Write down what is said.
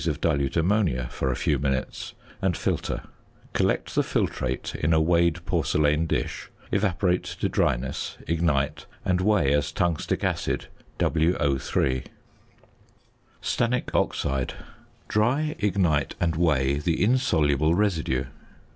of dilute ammonia for a few minutes, and filter; collect the filtrate in a weighed porcelain dish, evaporate to dryness, ignite, and weigh as tungstic acid, WO_. ~Stannic Oxide.~ Dry, ignite, and weigh the insoluble residue.